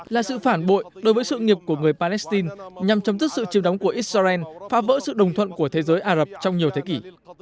là sự phản bội đối với sự nghiệp của người palestine nhằm chấm dứt sự chiếm đóng của israel phá vỡ sự đồng thuận của thế giới ả rập trong nhiều thế kỷ